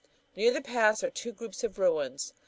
Near the pass are two groups of ruins.